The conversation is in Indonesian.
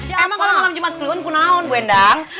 emang kalau malam jumat keliuan kenaun bu endang